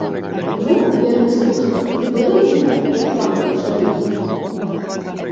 Ну, верны служка, давядзі нам, як пан твой жаніўся!